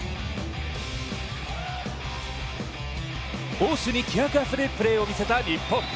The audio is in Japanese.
攻守に気迫あふれるプレーを見せた日本。